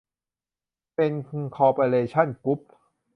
เซ็น คอร์ปอเรชั่น กรุ๊ป